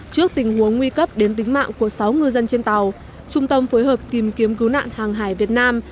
trước tình huống nguy cấp đến tính mạng của sáu ngư dân trên tàu trung tâm phối hợp tìm kiếm cứu nạn hàng hải việt nam